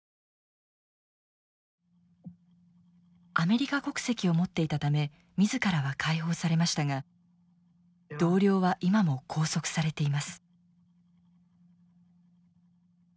アメリカ国籍を持っていたため自らは解放されましたが同僚は今も拘束されています。